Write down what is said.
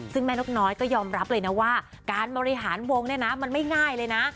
ซึ่งแม่นกน้อยก็ยอมรับเลยนะว่าการบริหารวงเนี่ยนะมันไม่ง่ายเลยนะ